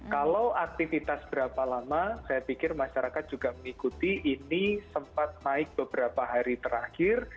kalau aktivitas berapa lama saya pikir masyarakat juga mengikuti ini sempat naik beberapa hari terakhir